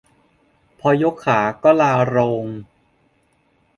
พอยกขาก็ลาโรง